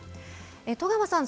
戸川さん。